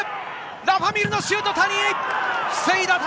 ラファ・ミールのシュート、谷。